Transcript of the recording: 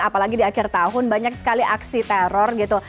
apalagi di akhir tahun banyak sekali aksi teror gitu